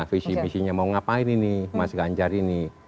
visi misinya mau ngapain ini mas ganjar ini